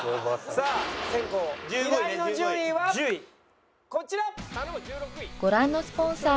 さあ先攻平井の順位はこちら！